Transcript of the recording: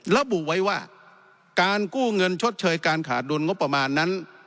ระบุไว้ว่าการกู้เงินชดเชยการขาดดุลงบประมาณนั้น